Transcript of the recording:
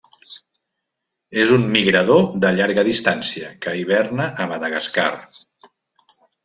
És un migrador de llarga distància, que hiverna a Madagascar.